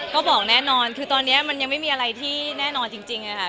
ก็บอกแน่นอนคือตอนนี้มันยังไม่มีอะไรที่แน่นอนจริงค่ะ